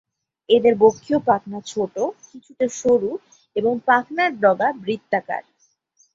এদের বক্ষীয় পাখনা ছোট, কিছুটা সরু এবং পাখনার ডগা বৃত্তাকার।